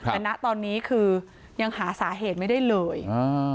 แต่ณตอนนี้คือยังหาสาเหตุไม่ได้เลย